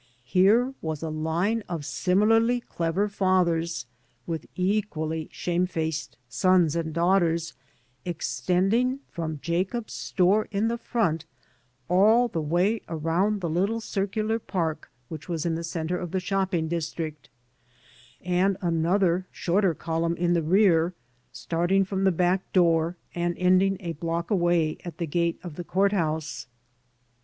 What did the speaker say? Here was a line of similarly clever fathers with equally shamefaced sons and daughters, extending from Jacob's store in the front, all the way around the little circular park which was in the center of the shopping district; and another shorter column in the rear, starting from the back door and ending a block away at the gate of the court house.